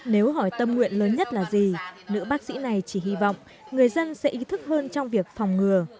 nếu hỏi tâm nguyện lớn nhất là gì nữ bác sĩ này chỉ hy vọng người dân sẽ ý thức hơn trong việc phòng ngừa